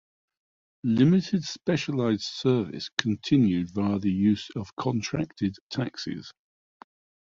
Limited specialized service continued via the use of contracted taxis.